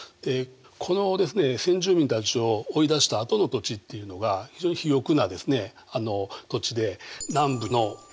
この先住民たちを追い出したあとの土地っていうのが非常に肥よくな土地で南部の綿花地帯としてですね